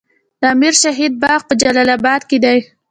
د امیر شهید باغ په جلال اباد کې دی